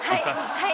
はい！